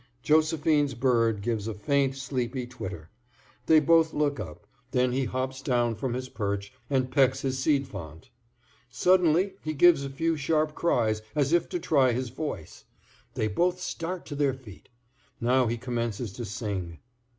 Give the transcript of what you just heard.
Josephine's bird gives a faint, sleepy twitter. They both look up, then he hops down from his perch and pecks at his seed font. Suddenly he gives a few sharp cries, as if to try his voice. They both start to their feet. Now he commences to sing.